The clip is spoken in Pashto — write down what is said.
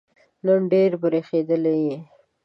نن ډېر برېښېدلی یې